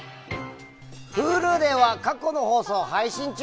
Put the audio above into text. Ｈｕｌｕでは過去の放送を配信中。